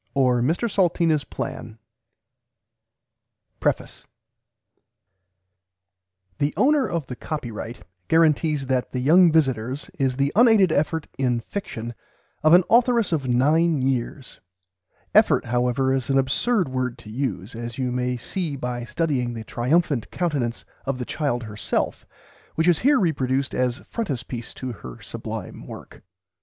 Doran Company_ Printed in the United States of America [Pg v] PREFACE The "owner of the copyright" guarantees that "The Young Visiters" is the unaided effort in fiction of an authoress of nine years. "Effort," however, is an absurd word to use, as you may see by studying the triumphant countenance of the child herself, which is here reproduced as frontispiece to her sublime work.